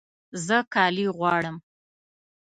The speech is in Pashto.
زه کالي غواړم